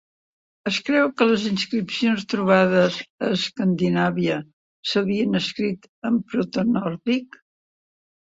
Es creu que les inscripcions trobades a Escandinàvia s"havien escrit en protonòrdic.